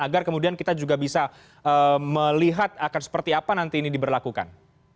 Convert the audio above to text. agar kemudian kita juga bisa melihat akan seperti apa nanti ini diberlakukan